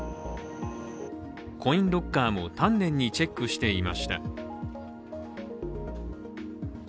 コインロッカーも丹念にチェックしていました。